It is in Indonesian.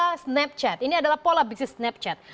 kita snapchat ini adalah pola bisnis snapchat